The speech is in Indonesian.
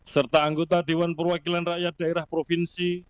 serta anggota dewan perwakilan rakyat daerah provinsi